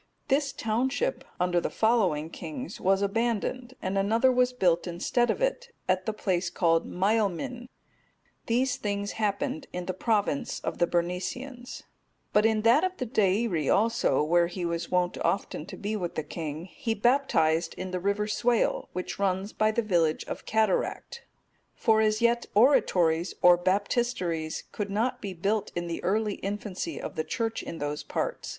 This township, under the following kings, was abandoned, and another was built instead of it, at the place called Maelmin.(240) These things happened in the province of the Bernicians; but in that of the Deiri also, where he was wont often to be with the king, he baptized in the river Swale, which runs by the village of Cataract;(241) for as yet oratories, or baptisteries, could not be built in the early infancy of the Church in those parts.